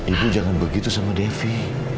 ibu jangan begitu sama devi